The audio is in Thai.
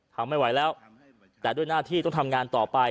ทำไม่ไหวแล้วแต่ด้วยหน้าที่ต้องทำงานต่อไป